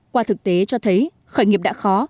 qua thực tế cho thấy khởi nghiệp đã khó